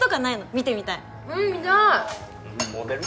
見てみたいうん見たいモデル？